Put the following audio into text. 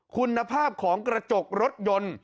คุณภาพของกระจกรถยนต์